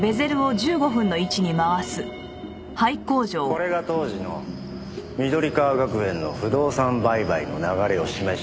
これが当時の緑川学園の不動産売買の流れを示した書類だよ。